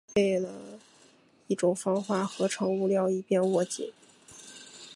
它亦配备了一个防滑合成物料以便紧握。